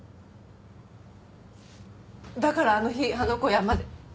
だからあの日あの子山で。